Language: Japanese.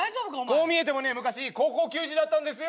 こう見えてもね昔高校球児だったんですよ。